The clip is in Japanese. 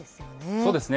そうですね。